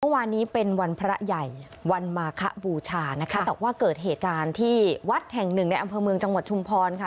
เมื่อวานนี้เป็นวันพระใหญ่วันมาคบูชานะคะแต่ว่าเกิดเหตุการณ์ที่วัดแห่งหนึ่งในอำเภอเมืองจังหวัดชุมพรค่ะ